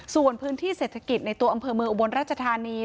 ส่วนพื้นที่เศรษฐกิจในตัวอำเภอเมืองอุบลราชธานี